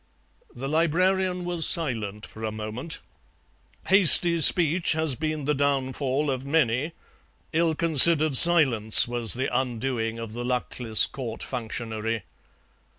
"The Librarian was silent for a moment. Hasty speech has been the downfall of many; ill considered silence was the undoing of the luckless Court functionary.